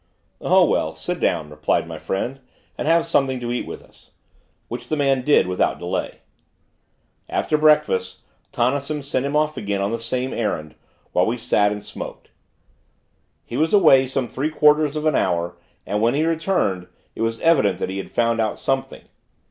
"Oh, well, sit down," replied my friend, "and have something to eat with us." Which the man did without delay. After breakfast, Tonnison sent him off again on the same errand, while we sat and smoked. He was away some three quarters of an hour, and, when he returned, it was evident that he had found out something.